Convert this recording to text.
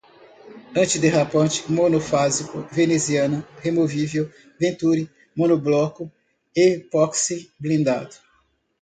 antiderrapante, monofásicos, veneziana, removível, venturi, monobloco, epóxi, blindado